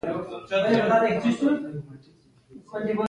حرکاتو او نیتونو په باب کره اطلاعات ترلاسه کړي.